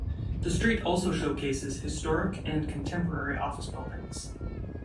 The street also showcases historic and contemporary office buildings.